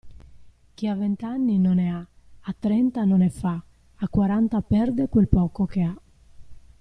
Chi a vent'anni non ne ha, a trenta non ne fa, a quaranta perde quel poco che ha.